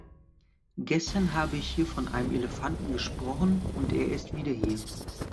Gestern habe ich hier von einem Elefanten gesprochen, und er ist wieder hier.